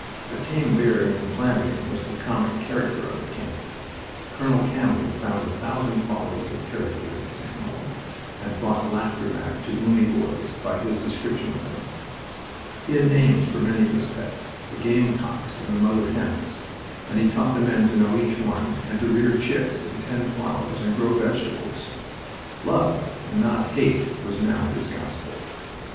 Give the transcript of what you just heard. A tame bear named Flanagan was the comic character of the camp. Colonel Campbell found a thousand qualities of character in this animal, and brought laughter back to gloomy boys by his description of them. He had names for many of his pets the game cocks and the mother hens; and he taught the men to know each one, and to rear chicks, and tend flowers, and grow vegetables. Love, and not hate, was now his gospel.